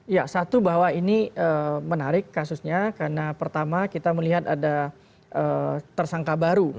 ya satu bahwa ini menarik kasusnya karena pertama kita melihat ada tersangka baru